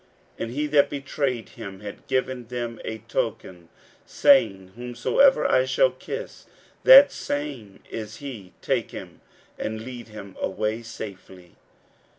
41:014:044 And he that betrayed him had given them a token, saying, Whomsoever I shall kiss, that same is he; take him, and lead him away safely.